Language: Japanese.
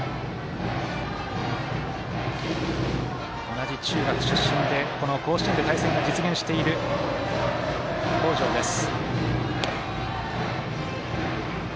同じ中学出身で、この甲子園で対戦が実現している北條です。